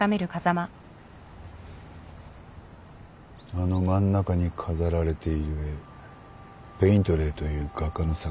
あの真ん中に飾られている絵ペイントレーという画家の作品だ。